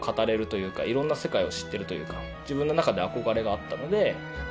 自分の中で憧れがあったので。